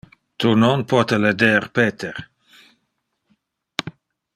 Tu non pote leder Peter.